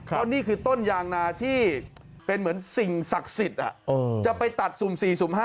ก็นี่คือต้นยางนาที่เป็นเหมือนสิ่งศักดิ์ศิษฐ์จะไปตัดทรุม๔๕